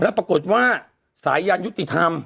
แล้วปรากฏว่าสายยันยุติธรรม